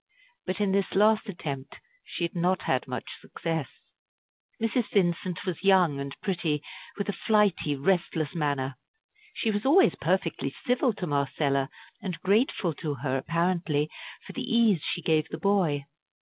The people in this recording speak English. But in this last attempt she had not had much success. Mrs. Vincent was young and pretty, with a flighty, restless manner. She was always perfectly civil to Marcella, and grateful to her apparently for the ease she gave the boy.